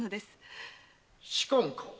仕官か？